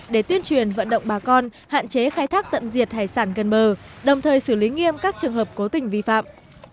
để tuyên truyền vận động bà con hạn chế khai thác tận diệt hải sản gần bờ đồng thời xử lý nghiêm các trường hợp cố tình vi phạm